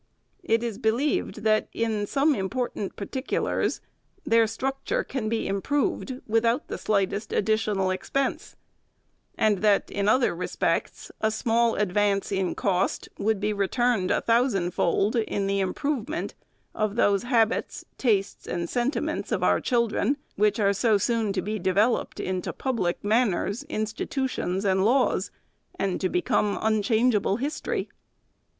It is believed that, in some important par ticulars, their structure can be improved without the slightest additional expense ; and that, in other respects, a small advance in cost would be returned a thousand fold in the improvement of those habits, tastes, and sentiments of our children, which are so soon to be developed into public manners, institutions, and laws, and to become un changeable history.